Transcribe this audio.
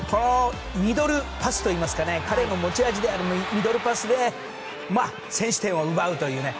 ミドルパスといいますか彼の持ち味であるミドルパスで先取点を奪うというね。